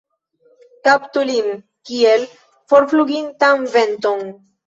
Kaptu lin kiel forflugintan venton.